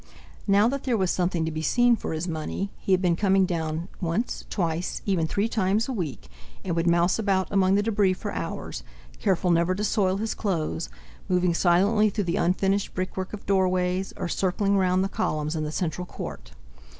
Now that there was something to be seen for his money, he had been coming down once, twice, even three times a week, and would mouse about among the debris for hours, careful never to soil his clothes, moving silently through the unfinished brickwork of doorways, or circling round the columns in the central court.